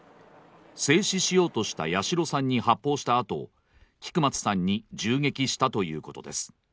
制止しようとした八代さんに発砲したあと、菊松さんに銃撃したということです。